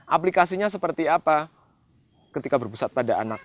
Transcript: aplikasinya seperti apa ketika berpusat pada anak